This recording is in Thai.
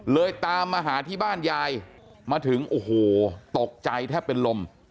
ตามมาหาที่บ้านยายมาถึงโอ้โหตกใจแทบเป็นลม